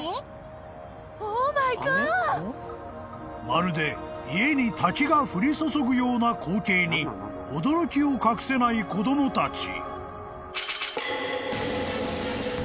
［まるで家に滝が降り注ぐような光景に驚きを隠せない子供たち］